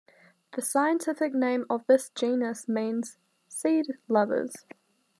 The scientific name of this genus means "seed-lovers".